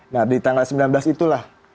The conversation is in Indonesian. nah di tanggal sembilan belas itulah